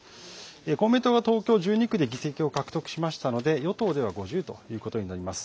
公明党は東京１２区で議席を獲得しましたので与党では５０ということになります。